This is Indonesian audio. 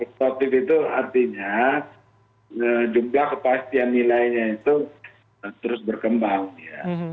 stoktif itu artinya jumlah kepastian nilainya itu terus berkembang ya